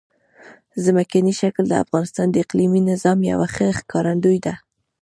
ځمکنی شکل د افغانستان د اقلیمي نظام یوه ښه ښکارندوی ده.